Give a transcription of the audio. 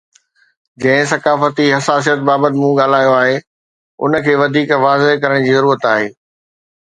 جنهن ثقافتي حساسيت بابت مون ڳالهايو آهي، ان کي وڌيڪ واضح ڪرڻ جي ضرورت آهي.